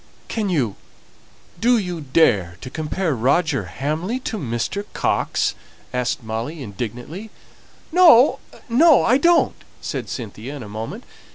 "Can you do you dare to compare Roger Hamley to Mr. Coxe?" asked Molly, indignantly. "No, no, I don't!" said Cynthia in a moment.